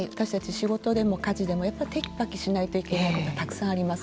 仕事でも家事でもやっぱり、テキパキしないといけないことがたくさんあります。